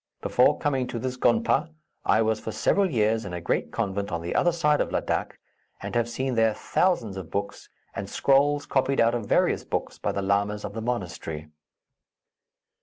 Before coming to this gonpa, I was for several years in a great convent on the other side of Ladak, and have seen there thousands of books, and scrolls copied out of various books by the lamas of the monastery."